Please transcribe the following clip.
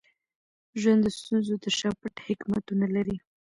ژوند د ستونزو تر شا پټ حکمتونه لري.